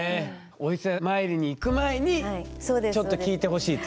お伊勢参りに行く前にちょっと聞いてほしいと。